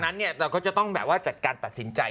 ดังนั้นเราจะต้องจากการตัดสินใจ